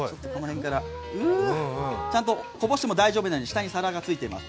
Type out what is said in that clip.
ちゃんとこぼしても大丈夫なように下に皿がついています。